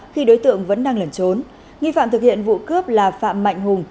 khi đối tượng vẫn đang lẩn trốn nghi phạm thực hiện vụ cướp là phạm mạnh hùng